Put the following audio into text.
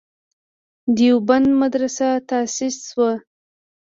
دیوبند مدرسه تاسیس شوه.